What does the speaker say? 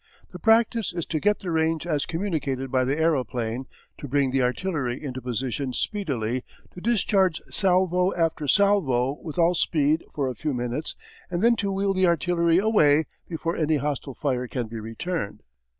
The practice is to get the range as communicated by the aeroplane, to bring the artillery into position speedily, to discharge salvo after salvo with all speed for a few minutes, and then to wheel the artillery away before any hostile fire can be returned.